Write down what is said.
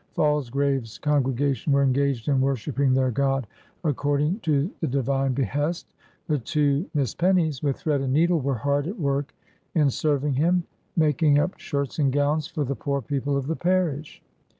Falsgrave's congregation were engaged in worshiping their God, according to the divine behest; the two Miss Pennies, with thread and needle, were hard at work in serving him; making up shirts and gowns for the poor people of the parish.